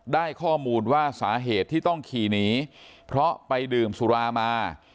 ได้ข้อมูลว่าสาเหตุที่ต้องขี่หนีเพราะไปดื่มสุรามา